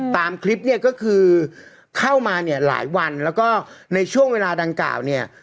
ตามคลิปเนี่ยก็คือเข้ามาเนี่ยหลายวันแล้วก็ในช่วงเวลาดังกล่าวเนี่ย